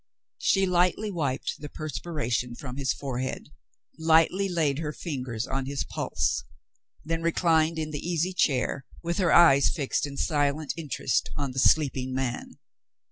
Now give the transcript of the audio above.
She lightly wiped the perspiration from his forehead; lightly laid her fingers on his pulse then reclined in the easy chair, with her eyes fixed in silent interest on the sleeping man.